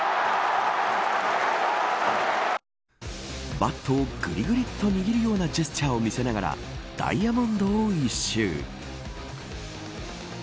バットをぐりぐりっと握るようなジェスチャーを見せながらダイヤモンドを一周。